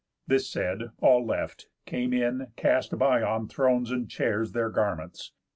_ This said, all left, came in, cast by, on thrones And chairs, their garments.